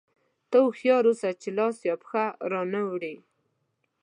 ته هوښیار اوسه چې لاس یا پښه را وانه وړې.